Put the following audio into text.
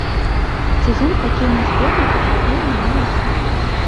Сезон хакейнай зборнай патрабуе нямала сродкаў.